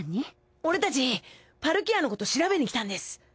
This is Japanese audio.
俺たちパルキアのこと調べにきたんです。